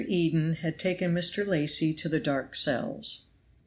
EDEN had taken Mr. Lacy to the dark cells.